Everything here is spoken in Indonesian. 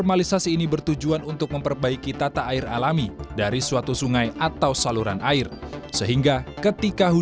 lalu yang kedua itu kita yang tadi belokan di sini ya kita luruskan dia ke sana